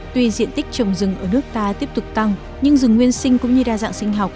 tuy diện tích trồng rừng ở nước ta tiếp tục tăng nhưng rừng nguyên sinh cũng như đa dạng sinh học